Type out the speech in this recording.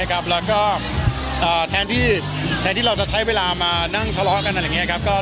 แล้วก็แทนที่เราจะใช้เวลามานั่งทะเลาะกัน